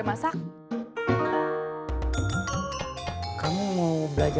semarang semarang semarang